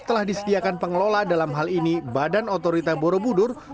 telah disediakan pengelola dalam hal ini badan otorita borobudur